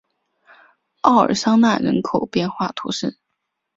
奥尔桑讷人口变化图示